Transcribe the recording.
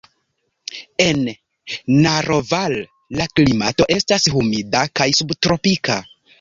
En Naroval la klimato estas humida kaj subtropika.